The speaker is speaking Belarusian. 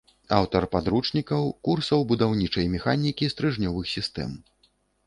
Аўтар падручнікаў, курсаў будаўнічай механікі стрыжнёвых сістэм.